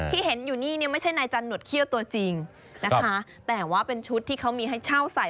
ที่เห็นอยู่นี่เนี่ยไม่ใช่นายจันหนวดเขี้ยวตัวจริงนะคะแต่ว่าเป็นชุดที่เขามีให้เช่าใส่